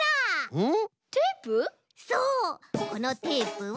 うん！